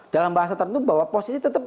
dalam bahasa tertentu bahwa posisi tetap